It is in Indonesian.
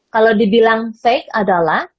kalau dibilang fake adalah